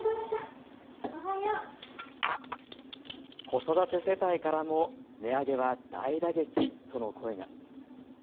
子育て世帯からも値上げは大打撃との声が。